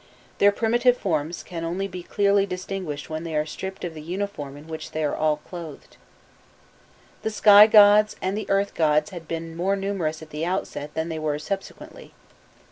Their primitive forms can only be clearly distinguished when they are stripped of the uniform in which they are all clothed. The sky gods and the earth gods had been more numerous at the outset than they were subsequently.